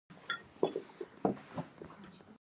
د نولسمې پېړۍ په افریقا کې استعمار پیل شو.